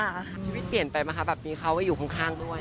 ชีวิตเปลี่ยนไปไหมคะแบบมีเขาอยู่ข้างด้วย